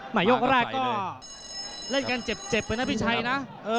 หมายยกแรกก็เล่นกันเจ็บไปนะพี่ชัยนะ